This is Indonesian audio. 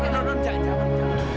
non jangan jangan